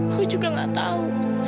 aku juga gak tau